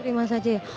terima saja ya